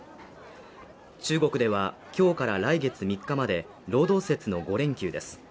中国では今日から来月３日まで、労働節の５連休です。